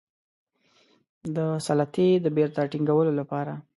د سلطې د بیرته ټینګولو لپاره.